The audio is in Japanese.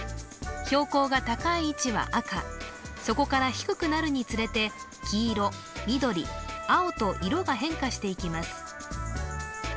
標高が高い位置は赤そこから低くなるにつれて黄色緑青と色が変化していきます